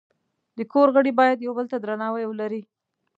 د کور غړي باید یو بل ته درناوی ولري.